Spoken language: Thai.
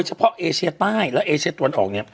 เอเชียใต้และเอเชียตะวันออกเนี่ย